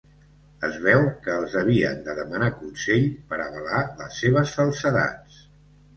Es veu que els havien de demanar consell per avalar les seves falsedats.